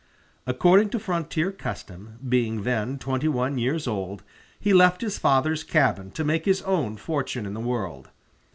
According to frontier custom, being then twenty one years old, he left his father's cabin to make his own fortune in the world.